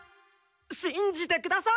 信じてください。